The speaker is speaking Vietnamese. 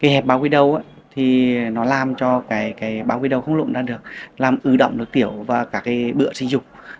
hẹp bao quy đầu làm cho bao quy đầu không lộn ra được làm ưu động lực tiểu và bựa sinh dục